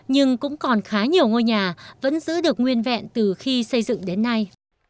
nhưng cũng còn khá nhiều ngôi nhà vẫn giữ được nguyên vẹn từ khi xây dựng đến nay